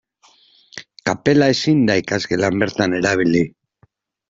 Kapela ezin da ikasgelan bertan erabili.